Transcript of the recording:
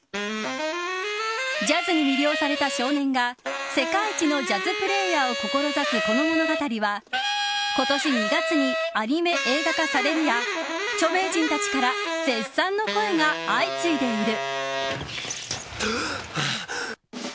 ジャズに魅了された少年が世界一のジャズプレーヤーを志すこの物語は今年２月にアニメ映画化されるや著名人たちから絶賛の声が相次いでいる。